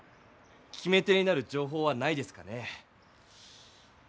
決め手になるじょうほうはないですかね？